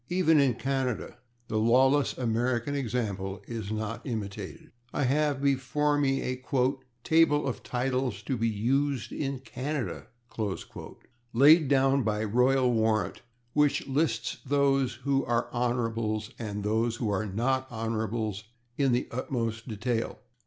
Even in Canada the lawless American example is not imitated. I have before me a "Table of Titles to be Used in Canada," laid down by royal warrant, which lists those who are /Hons./ and those who are not /Hons./ in the utmost detail.